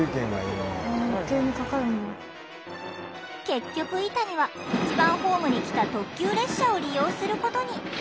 結局イタニは１番ホームに来た特急列車を利用することに。